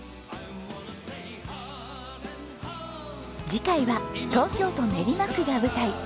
次回は東京都練馬区が舞台。